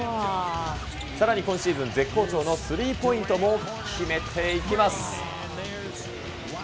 さらに今シーズン絶好調のスリーポイントも決めていきます。